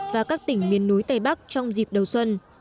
và các tỉnh miền núi tây bắc trong dịp đầu xuân